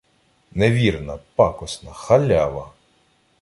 Невірна, пакосна, халява!